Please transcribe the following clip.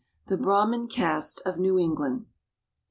THE BRAHMIN CASTE OF NEW ENGLAND.